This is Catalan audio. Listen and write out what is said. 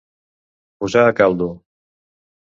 Posar a caldo.